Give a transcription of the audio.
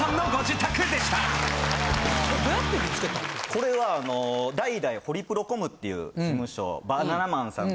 これは代々ホリプロコムっていう事務所バナナマンさん